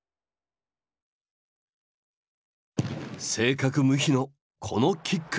正確無比のこのキック。